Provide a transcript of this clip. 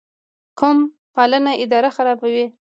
قوم پالنه اداره خرابوي